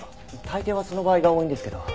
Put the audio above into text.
大抵はその場合が多いんですけど。